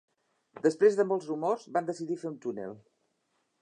Després de molts rumors, van decidir fer un túnel.